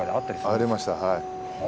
ありました。